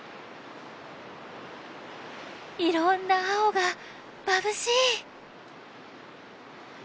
いろんな青がまぶしい！